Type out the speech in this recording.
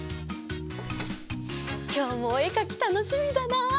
きょうもおえかきたのしみだな！